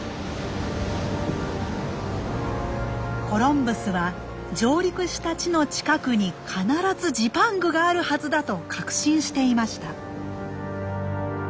コロンブスは上陸した地の近くに必ずジパングがあるはずだと確信していました。